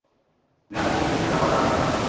তিনি আলেপ্পোর উদ্দেশ্যে জাবাল আল-আকরাদ ত্যাগ করেন।